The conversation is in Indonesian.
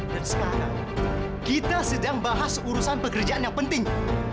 dan sekarang kita sedang bahas urusan pekerjaan yang penting